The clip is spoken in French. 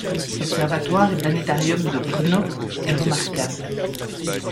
L'observatoire et planétarium de Brno est remarquable.